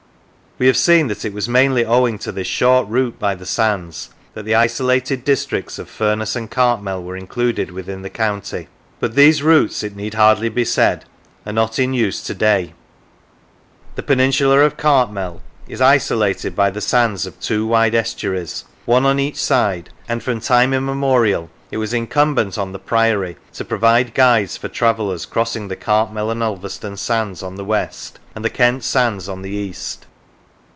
We have seen that it was mainly owing to this short route by the sands that the isolated districts of Furness and Cartmel were in cluded within the county; but these routes, it need hardly be said, are not in use to day. The peninsula of Cartmel is isolated by the sands of two wide estuaries, one on each side, and from time immemorial it was incumbent on the priory to provide guides for travellers crossing the Cartmel and Ulverston sands on the west, and the Kent sands on the east.